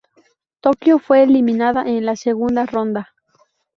Tokio fue eliminada en la segunda ronda.